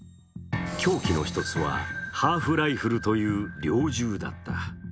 凶器の１つは、ハーフライフルという猟銃だった。